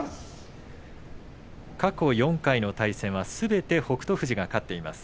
過去４回の対戦はすべて北勝富士が勝っています。